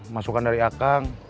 masukan dari akang